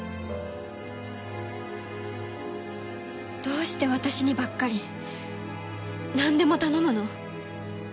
どうして私にばっかり何でも頼むの？